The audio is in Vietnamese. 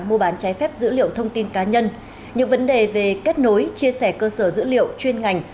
mua bán trái phép dữ liệu thông tin cá nhân những vấn đề về kết nối chia sẻ cơ sở dữ liệu chuyên ngành